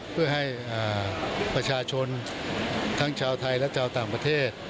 เพื่อให้ประชาชนทั้งชาวไทยและชาวต่างประเทศ